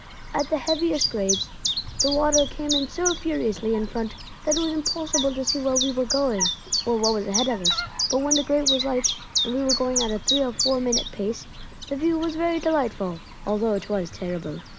At the heaviest grades the water came in so furiously in front that it was impossible to see where we were going, or what was ahead of us; but when the grade was light, and we were going at a three or four minute pace, the view was very delightful, although it was terrible.